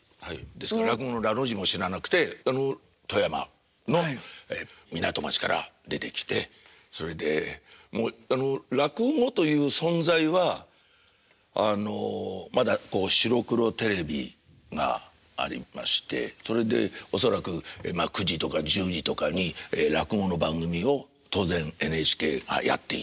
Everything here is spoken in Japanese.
ですから落語の「ら」の字も知らなくて富山の港町から出てきてそれで落語という存在はあのまだ白黒テレビがありましてそれで恐らく９時とか１０時とかに落語の番組を当然ＮＨＫがやっていたんでしょう。